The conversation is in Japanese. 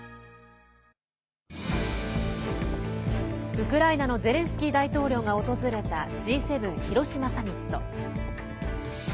ウクライナのゼレンスキー大統領が訪れたＧ７広島サミット。